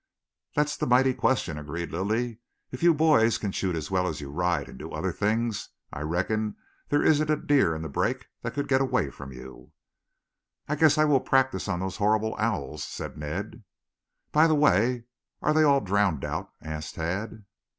"That's the mighty question," agreed Lilly. "If you boys can shoot as well as you ride and do other things, I reckon there isn't a deer in the brake that could get away from you." "I guess I will practise on those horrible owls," said Ned. "By the way, are they all drowned out?" asked Tad.